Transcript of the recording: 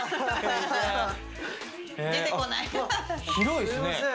広いっすね。